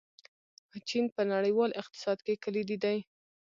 چین په نړیوال اقتصاد کې کلیدي دی.